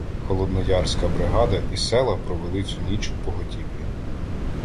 Холодноярська бригада і села провели цю ніч у поготівлі.